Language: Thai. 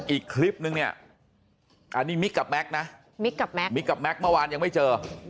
อีกคลิปนึงเนี่ยอันนี้มิกกับแม็กซ์นะมิกกับแก๊กมิกกับแก๊กเมื่อวานยังไม่เจอ